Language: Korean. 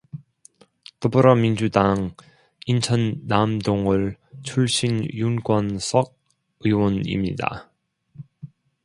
더불어민주당 인천 남동을 출신 윤관석 위원입니다.